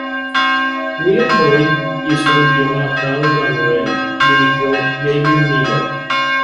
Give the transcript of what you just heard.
William Boyd hizo el guion adaptado de la novela y dirigió Gavin Millar.